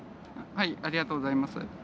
ありがとうございます。